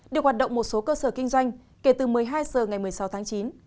được hoạt động một số cơ sở kinh doanh kể từ một mươi hai h ngày một mươi sáu tháng chín